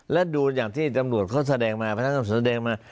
แล้วดูอย่างที่ตำรวจเขาแสดงมาพระท่านก็แสดงมา